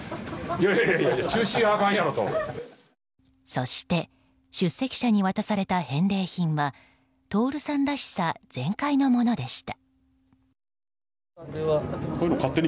そして出席者に渡された返礼品は徹さんらしさ全開のものでした。